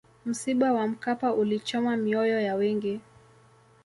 msiba wa mkapa ulichoma mioyo ya wengi